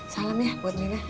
salam ya buat minah